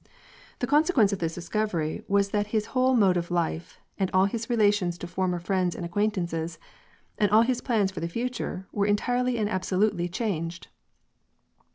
The con sequence of this discovery was that his whole mode of life, and all his relations to former friends and acquaintances, and all his plans for the future, were entirely and absolutely changed.